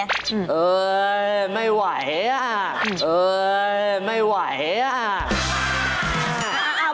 เอองไม่ไหว